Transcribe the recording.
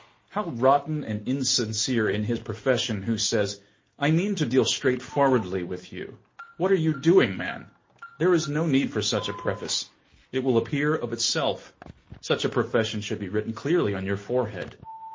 15. How rotten and insincere is his profession who says, "I mean to deal straightforwardly with you." What are you doing, man? There is no need for such a preface. It will appear of itself. Such a profession should be written clearly on your forehead.